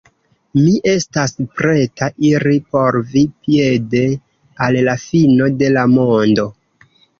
Mi estas preta iri por vi piede al la fino de la mondo.